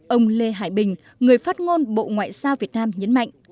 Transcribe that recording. ông lê hải bình người phát ngôn bộ ngoại giao việt nam nhấn mạnh